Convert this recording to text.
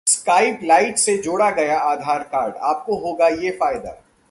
Skype light से जोड़ा गया आधार कार्ड, आपको होगा ये फायदा